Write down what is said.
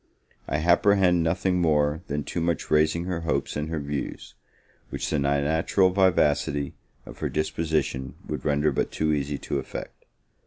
I apprehend nothing more than too much raising her hopes and her views, which the natural vivacity of her disposition would render but too easy to effect.